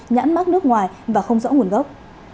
nhãn mắc nước ngoài và không rõ nguồn gốc